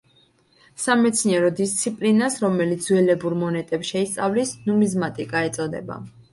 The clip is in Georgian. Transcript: სამეცნიერო დისციპლინას, რომელიც ძველებურ მონეტებს შეისწავლის, ნუმიზმატიკა ეწოდება.